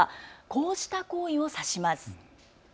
こうした行為を指します。